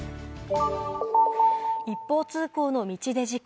一方通行の道で事故。